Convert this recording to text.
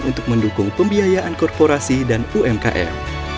untuk mendukung pembiayaan korporasi dan umkm